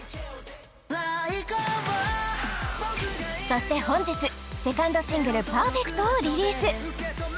そして本日セカンドシングル「Ｐｅｒｆｅｃｔ」をリリース！